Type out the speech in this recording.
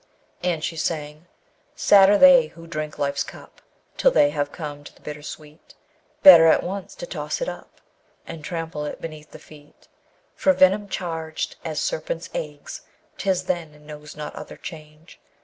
And she sang: Sad are they who drink life's cup Till they have come to the bitter sweet: Better at once to toss it up, And trample it beneath the feet; For venom charged as serpents' eggs 'Tis then, and knows not other change.